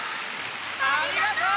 ありがとう！